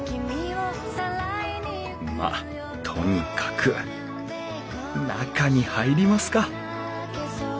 まっとにかく中に入りますか。